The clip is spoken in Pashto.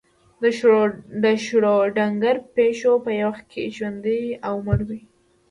د شروډنګر پیشو په یو وخت کې ژوندۍ او مړه وي.